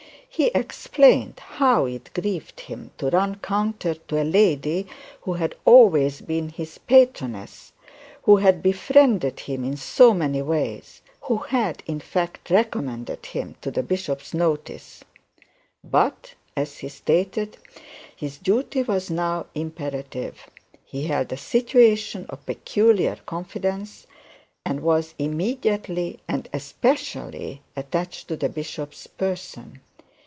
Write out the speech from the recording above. He explained how it grieved him to run counter to a lady who had always been his patroness, who had befriended him in so many ways, who had, in fact, recommended him to the bishop's notice; but, as he stated, his duty was now imperative; he held a situation of peculiar confidence, and was immediately and especially attached to the bishop's person.